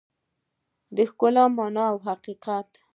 د ښکلا مانا او حقیقت